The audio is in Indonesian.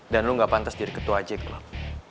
dan lo gak pantas jadi ketua ic klub